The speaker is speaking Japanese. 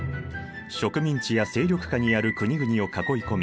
植民地や勢力下にある国々を囲い込み